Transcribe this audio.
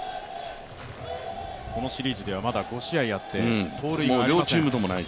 このシリーズでは５試合やって、盗塁はありません。